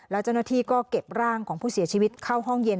แล้วเจ้าหน้าที่ก็เก็บร่างของผู้เสียชีวิตเข้าห้องเย็น